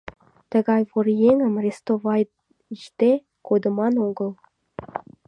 Тыгай вор еҥым рестовайыде кодыман огыл.